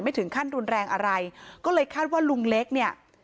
ถึงขั้นรุนแรงอะไรก็เลยคาดว่าลุงเล็กเนี่ย